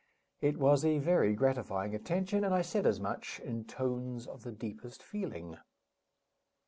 It was a very gratifying attention, and I said as much, in tones of the deepest feeling.